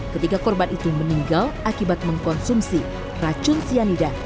ketiga korban itu meninggal akibat mengkonsumsi racun cyanida